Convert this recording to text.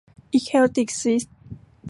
อิเคลติคซิสม์